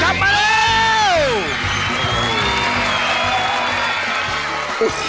กลับมาแล้ว